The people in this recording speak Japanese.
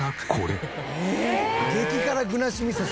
激辛具なし味噌汁。